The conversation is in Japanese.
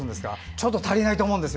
ちょっと足りないと思うんです。